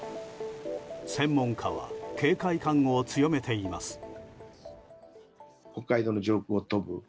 専門家は警戒感を強めています。